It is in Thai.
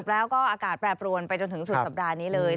สรุปแล้วก็อากาศแปรปรวนไปจนถึงสุดสำเร็จนะครับ